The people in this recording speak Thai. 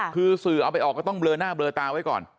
คือสื่อเอาไปออกก็ต้องเลอหน้าเลอตาไว้ก่อน